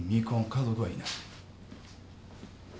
家族はいない。